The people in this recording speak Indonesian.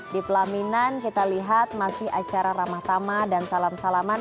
di pelaminan kita lihat masih acara ramah tama dan salam salaman